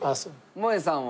もえさんは？